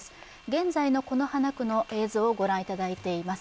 現在の此花区の映像をご覧いただいています。